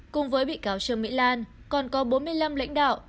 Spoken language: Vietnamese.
cùng với bị cáo trương mỹ lan còn có bốn mươi năm lãnh đạo